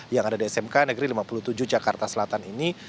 yang ada di smk negeri lima puluh tujuh jakarta selatan ini